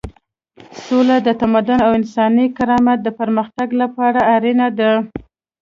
سوله د تمدن او انساني کرامت د پرمختګ لپاره اړینه ده.